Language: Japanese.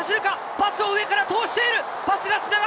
パスを上から通している。